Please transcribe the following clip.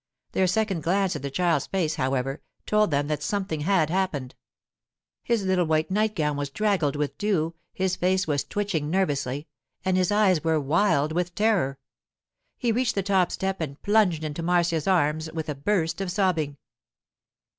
Their second glance at the child's face, however, told them that something had happened. His little white nightgown was draggled with dew, his face was twitching nervously, and his eyes were wild with terror. He reached the top step and plunged into Marcia's arms with a burst of sobbing.